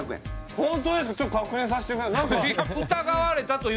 ホントですかちょっと確認させてください